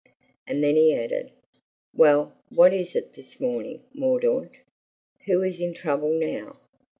And then he added: "Well, what is it this morning, Mordaunt? Who is in trouble now?"